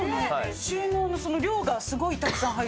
収納のその量がすごいたくさん入ってて。